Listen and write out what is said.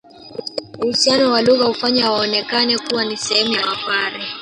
Uhusiano wa lugha hufanya waonekane kuwa ni sehemu ya Wapare